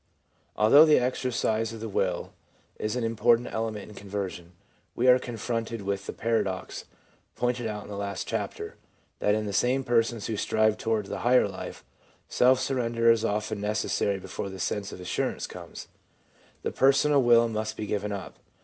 Although the exercise of the will is an important element in conversion, we are confronted with the paradox, pointed out in the last chapter, that in the same persons who strive toward the higher life, self surrender is often necessary before the sense of assur ance comes. The personal will must be given up.